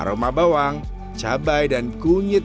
aroma bawang cabai dan kunyit